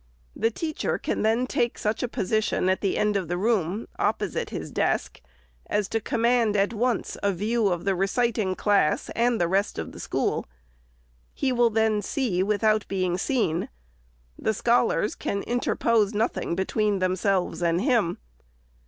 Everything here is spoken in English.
The teacher can then take such a position at the end of the room, opposite his desk, as to command at once a view of the reciting class and the rest of the school. He will then see, without being seen. The scholars can interpose nothing between themselves and him.